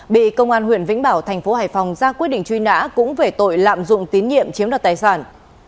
bị công an huyện vĩnh bảo tp hcm ra quyết định truy nã cũng về tội lạm dụng tín nhiệm chiếm đoạt tài sản